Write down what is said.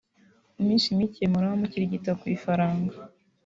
mu minsi mike muraba mukirigita ku ifaranga